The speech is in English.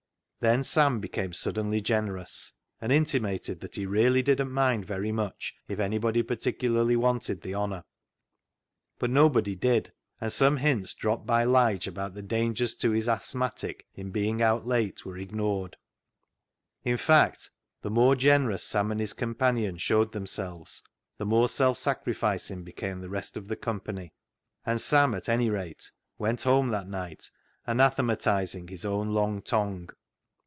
Then Sam became suddenly generous, and intimated that he really didn't mind very much if anybody particularly wanted the honour. But nobody did, and some hints dropped by Lige about the dangers to his " asthmatic " in being out late were ignored ; in fact, the more generous Sam and his companion showed them selves, the more self sacrificing became the rest of the company, and Sam, at anyrate, went 336 CLOG SHOP CHRONICLES home that night anathematising his own long tongue.